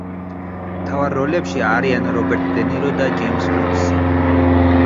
მთავარ როლებში არიან რობერტ დე ნირო და ჯეიმზ ვუდსი.